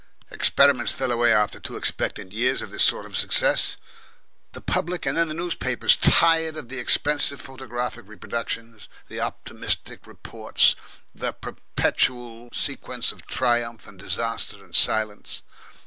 Experiments fell away after two expectant years of this sort of success, the public and then the newspapers tired of the expensive photographic reproductions, the optimistic reports, the perpetual sequence of triumph and disaster and silence.